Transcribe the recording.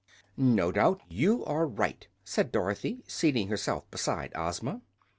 "No doubt you are right," said Dorothy, seating herself beside Ozma.